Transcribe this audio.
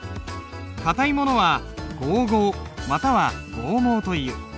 硬いものは剛毫または剛毛という。